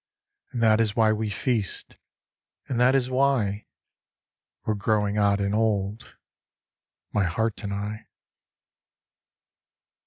And that is why we feast, and that is why We're growing odd and old, my heart and I.